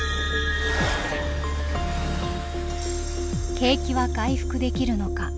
景気は回復できるのか。